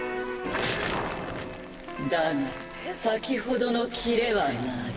だが先ほどのキレはない。